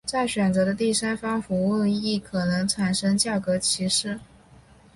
在选择的第三方服务上亦可能产生价格歧视。